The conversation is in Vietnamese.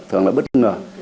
thường là bất ngờ